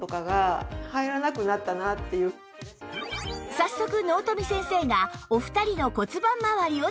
早速納富先生がお二人の骨盤まわりをチェック